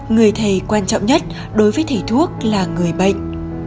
người thầy quan trọng nhất đối với thầy thuốc là người bệnh